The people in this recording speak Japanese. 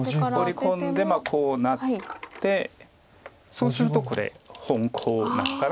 ホウリ込んでこうなってそうするとこれ本コウになるから。